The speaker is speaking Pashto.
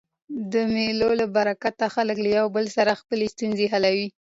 د مېلو له برکته خلک له یو بل سره خپلي ستونزي حلوي.